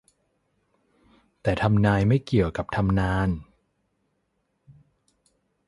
แต่ทำนายไม่เกี่ยวกับทำนาน